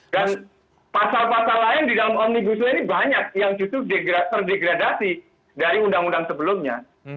dan pasar pasar lain di dalam omnibusnya ini banyak yang cukup terdegradasi dari undang undang sebelumnya